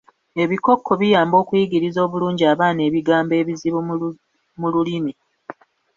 Ebikokko biyamba okuyigiriza obulungi abaana ebigambo ebizibu mu olulimi.